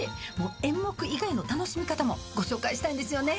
演目以外の楽しみ方もご紹介したいんですよね。